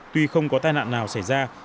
tuy không có tai nạn nào xảy ra